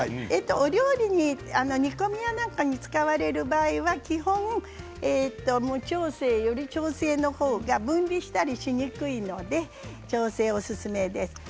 お料理煮込みなんかに使う場合基本、無調整より調整の方が分離したりしにくいので調整もおすすめです。